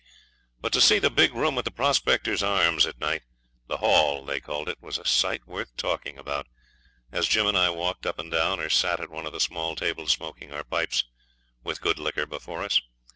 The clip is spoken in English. But to see the big room at the Prospectors' Arms at night the hall, they called it was a sight worth talking about as Jim and I walked up and down, or sat at one of the small tables smoking our pipes, with good liquor before us.